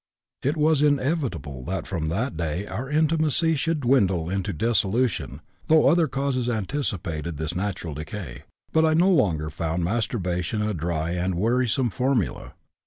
"It was inevitable that from that day our intimacy should dwindle into dissolution (though other causes anticipated this natural decay), but I no longer found masturbation a dry and wearisome formula.